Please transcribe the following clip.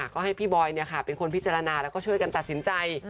ก็ให้พี่บอยเป็นคนพิจารณาแล้วก็ช่วยกันตัดสินใจ